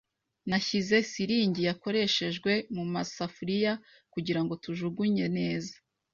Nashyize siringi yakoreshejwe mumasafuriya kugirango tujugunye neza.